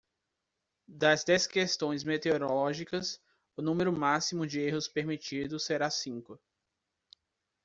Das dez questões meteorológicas, o número máximo de erros permitido será cinco.